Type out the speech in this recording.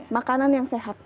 makanan yang sehat